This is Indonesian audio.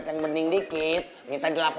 kita cuma lagi jemputin drama